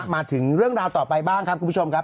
มาถึงเรื่องราวต่อไปบ้างครับคุณผู้ชมครับ